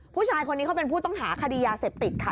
ผู้ชายคนนี้เขาเป็นผู้ต้องหาคดียาเสพติดค่ะ